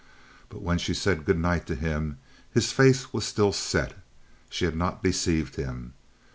But when she said good night to him, his face was still set. She had not deceived him.